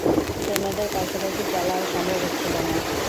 সৈন্যদের পাশাপাশি চলা আর সম্ভব হচ্ছিল না।